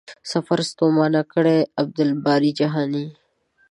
سفر ستومانه کړی.عبدالباري جهاني